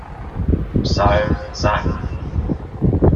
Psalm sang.